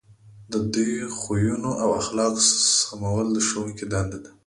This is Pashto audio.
د دوی د خویونو او اخلاقو سمول د ښوونکو دنده ده.